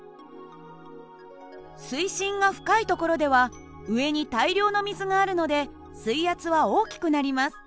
水深が深い所では上に大量の水があるので水圧は大きくなります。